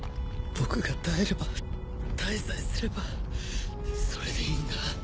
僕が耐えれば耐えさえすればそれでいいんだ。